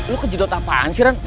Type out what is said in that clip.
lo kejidot apaan sih ran